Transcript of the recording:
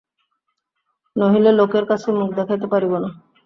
নহিলে লোকের কাছে মুখ দেখাইতে পারিব না।